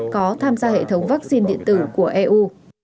có tham gia hệ thống vaccine điện tử của eu